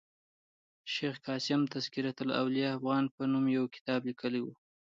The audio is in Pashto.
شېخ قاسم تذکرة الاولياء افغان په نوم یو کتاب لیکلی ؤ.